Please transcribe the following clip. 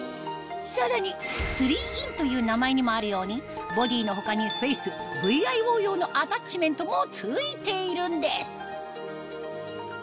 さらに「３ｉｎ」という名前にもあるようにボディの他にフェイスＶＩＯ用のアタッチメントも付いているんです